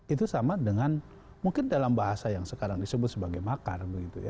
itu sama dengan mungkin dalam bahasa yang sekarang disebut sebagai makar begitu ya